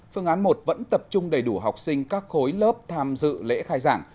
phương án một vẫn tập trung đầy đủ học sinh các khối lớp tham dự lễ khai giảng